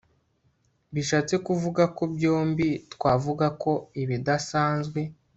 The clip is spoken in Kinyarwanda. bishatse kuvuga ko byombi twavuga ko ibidasanzwe